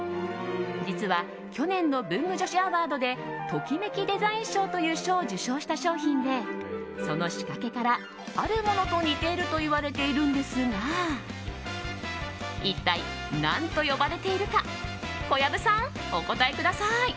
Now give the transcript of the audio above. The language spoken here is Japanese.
実は、去年の文具女子アワードでときめきデザイン賞という賞を受賞した商品でその仕掛けからあるものと似ているといわれているんですが一体何と呼ばれているか小籔さん、お答えください。